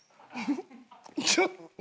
ちょっと。